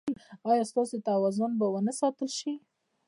ایا ستاسو توازن به و نه ساتل شي؟